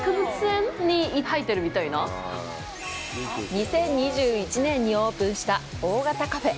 ２０２１年にオープンした大型カフェ。